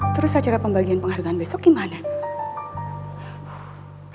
terus acara pembagian penghargaan besok gimana